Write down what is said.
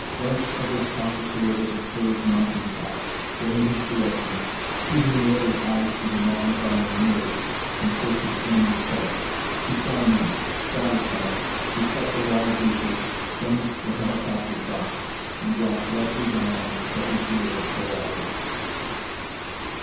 Lance hovered cautiously over the firred mountain tops, getting his directions, shooting wary eyes through the magnifying mirrors in search of enemy scouts. He saw none. Satisfied, he cut the Rahl Diesels, gunned the helicopter props and dropped lightly down on the stubbly field of Sola Ranch.